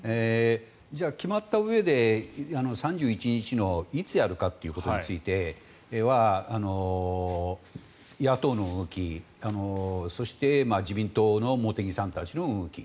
じゃあ決まったうえで３１日のいつやるかっていうことについては野党の動き、そして自民党の茂木さんたちの動き